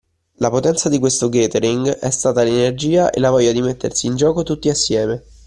La potenza di questo Gathering è stata l’energia e la voglia di mettersi in gioco tutti assieme